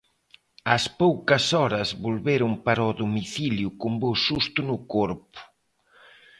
Ás poucas horas volveron para o domicilio cun bo susto no corpo.